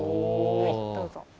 はいどうぞ。